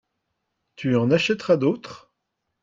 Tu en achèteras d'autres ?